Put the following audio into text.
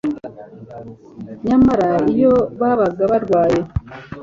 Nyamara iyo babaga barwaye